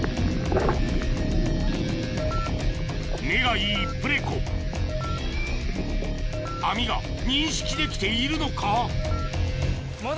目がいいプレコ網が認識できているのか？